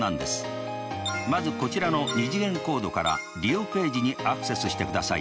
まずこちらの２次元コードから利用ページにアクセスしてください。